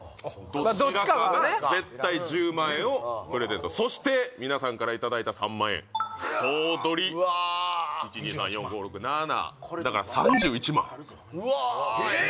どちらかが絶対１０万円をプレゼントそしてみなさんからいただいた３万円総取り１２３４５６７わあだから３１万・わあ